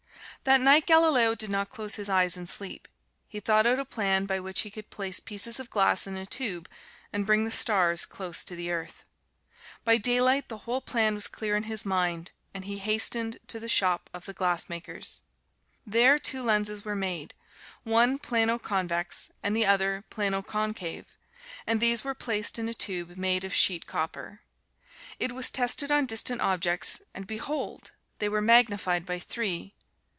That night Galileo did not close his eyes in sleep. He thought out a plan by which he could place pieces of glass in a tube, and bring the stars close to the earth. By daylight the whole plan was clear in his mind, and he hastened to the shop of the glassmakers. There, two lenses were made, one plano convex, and the other plano concave, and these were placed in a tube made of sheet copper. It was tested on distant objects; and behold! they were magnified by three.